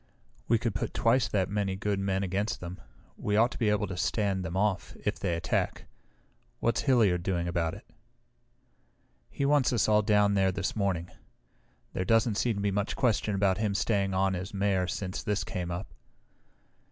"We could put twice that many good men against them. We ought to be able to stand them off, if they attack. What's Hilliard doing about it?" "He wants us all down there this morning. There doesn't seem to be much question about him staying on as Mayor since this came up."